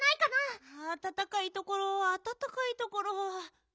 あたたかいところあたたかいところ。